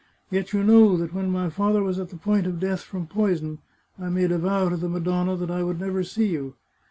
" Yet you know that when my father was at the point of death from poison, I made a vow to the Madonna that I would never see you.